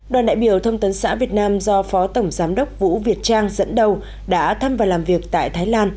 đoàn đại biểu thông tấn xã việt nam do phó tổng giám đốc vũ việt trang dẫn đầu đã thăm và làm việc tại thái lan